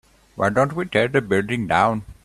why don't we tear the building down?